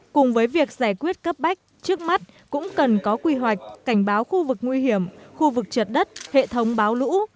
cùng với việc giải quyết cấp bách trước mắt cũng cần có quy hoạch cảnh báo khu vực nguy hiểm khu vực trượt đất hệ thống báo lũ